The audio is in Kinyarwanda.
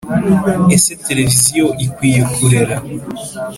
Ese televiziyo ikwiriye kurera